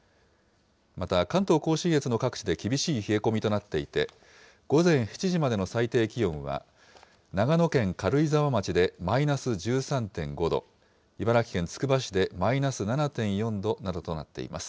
また関東甲信越の各地で厳しい冷え込みとなっていて、午前７時までの最低気温は、長野県軽井沢町でマイナス１３．５度、茨城県つくば市でマイナス７．４度などとなっています。